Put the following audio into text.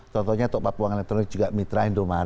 contohnya top up uang elektronik juga mitra indomay